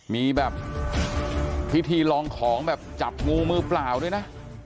มีแบบพิธีลองของแบบจับงูมือเปล่าด้วยนะ